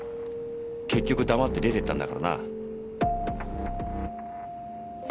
結局黙って出てったんだからな。